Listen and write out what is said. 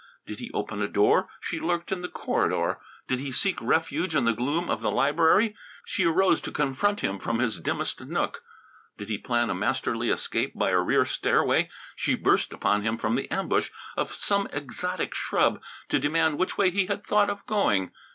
Did he open a door, she lurked in the corridor; did he seek refuge in the gloom of the library, she arose to confront him from its dimmest nook; did he plan a masterly escape by a rear stairway, she burst upon him from the ambush of some exotic shrub to demand which way he had thought of going.